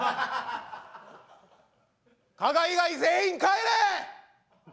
加賀以外全員帰れ！